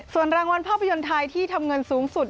ส่วนรางวัลภาพยนตร์ไทยที่ทำเงินสูงสุด